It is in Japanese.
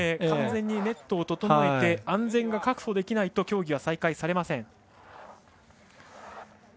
完全にネットを整えて安全が確保できないと競技は再開されません。